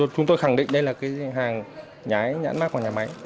chúng tôi khẳng định đây là hàng nhãn mác của nhà máy